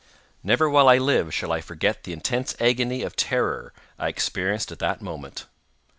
Never while I live shall I forget the intense agony of terror I experienced at that moment.